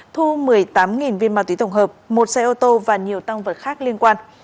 thu một mươi tám viên ma túy tổng hợp một xe ô tô và nhiều tăng vật khác liên quan